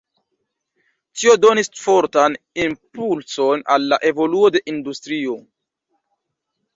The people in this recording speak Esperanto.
Tio donis fortan impulson al la evoluo de industrio.